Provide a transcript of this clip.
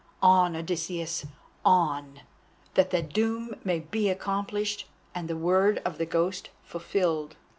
On, Odysseus, on! that the doom may be accomplished, and the word of the Ghost fulfilled!"